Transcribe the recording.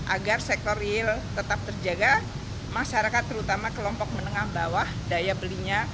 agar sektor real tetap terjaga masyarakat terutama kelompok menengah bawah daya belinya